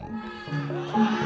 lalu ayamnya didapati dengan prayer